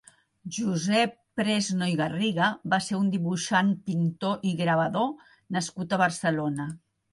Josep Presno i Garriga va ser un dibuixant pintor i gravador nascut a Barcelona.